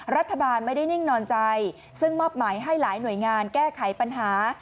รัฐบาลไม่ได้นิ่งนอนใจซึ่งมอบหมายให้หลายหน่วยงานแก้ไขปัญหา